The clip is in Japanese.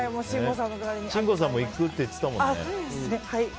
しんごさんも行くって言ってたもんね。